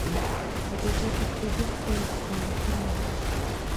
ابوبکر صدیق ته یې سپارښتنه وکړه.